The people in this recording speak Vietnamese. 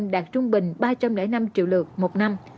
đạt trung bình ba trăm linh năm triệu lượt một năm